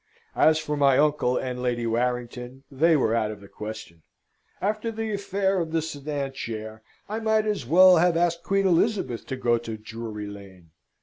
As for my uncle and Lady Warrington, they were out of the question. After the affair of the sedan chair I might as well have asked Queen Elizabeth to go to Drury Lane.